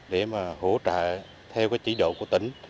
để hỗ trợ theo chỉ độ của tỉnh